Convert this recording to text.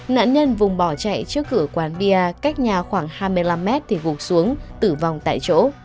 nạn nhân vùng bỏ chạy trước cửa quán bia cách nhà khoảng hai mươi năm mét thì gục xuống tử vong tại chỗ